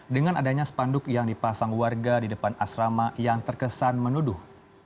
dengan adanya spanduk yang dipasang warga di depan asrama yang terkesan menuduh